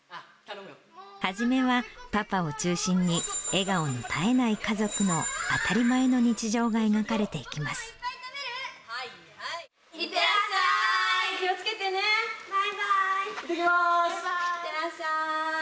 初めは、パパを中心に笑顔の絶えない家族の当たり前の日常が描かれていきいってらっしゃい。